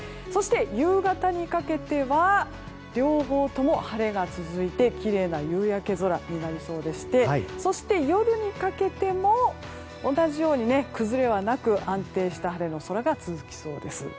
そして夕方にかけては両方とも晴れが続いてきれいな夕焼け空になりそうでしてそして、夜にかけても同じように崩れはなく安定した晴れ空が続きそうです。